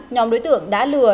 nhóm đối tượng đã lừa